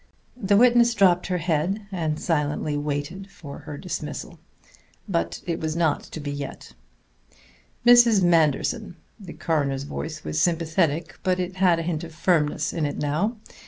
The witness dropped her head and silently waited for her dismissal. But it was not to be yet. "Mrs. Manderson." The coroner's voice was sympathetic, but it had a hint of firmness in it now.